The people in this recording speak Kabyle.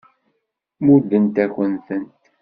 Muddent-akent-tent.